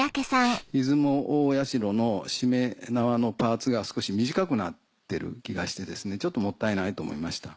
出雲大社のしめ縄のパーツが少し短くなってる気がしてちょっともったいないと思いました。